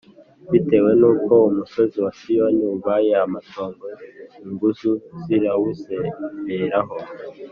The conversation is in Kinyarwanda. Bitewe n’uko umusozi wa Siyoni ubaye amatongo, Ingunzu zirawuzereraho.